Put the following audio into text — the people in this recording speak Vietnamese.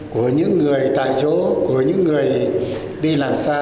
của những người tại chỗ của những người đi làm xa